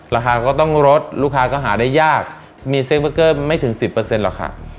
ราคาก็ต้องลดลูกค้าก็หาได้ยากมีเซฟเบอร์เกอร์ไม่ถึง๑๐หรอกค่ะ